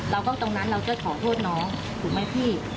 ตรงนั้นเราจะขอโทษน้องถูกไหมพี่